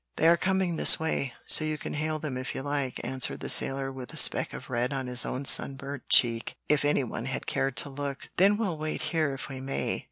They are coming this way, so you can hail them if you like," answered the sailor, with "a speck of red" on his own sunburnt cheek if any one had cared to look. "Then we'll wait here if we may.